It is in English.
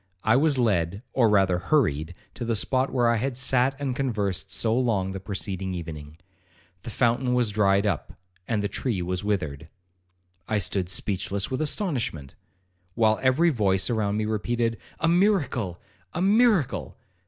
I was led, or rather hurried to the spot where I had sat and conversed so long the preceding evening. The fountain was dried up, and the tree was withered. I stood speechless with astonishment, while every voice around me repeated, 'A miracle! a miracle!